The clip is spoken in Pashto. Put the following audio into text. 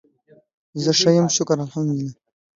زه ښه یم شکر الحمدالله